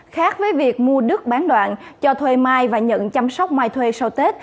khác với việc mua đứt bán đoạn cho thuê mai và nhận chăm sóc mai thuê sau tết